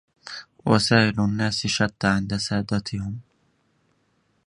وسائل الناس شتى عند سادتهم